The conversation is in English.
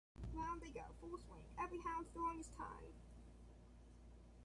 Round they go, full swing, every hound throwing his tongue.